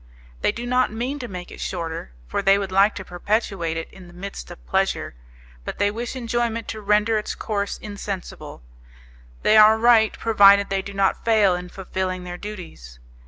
They do not mean to make it shorter, for they would like to perpetuate it in the midst of pleasure, but they wish enjoyment to render its course insensible; and they are right, provided they do not fail in fulfilling their duties.